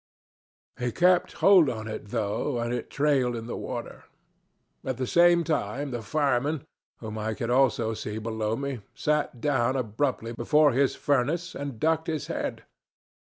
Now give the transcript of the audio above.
He kept hold on it though, and it trailed in the water. At the same time the fireman, whom I could also see below me, sat down abruptly before his furnace and ducked his head.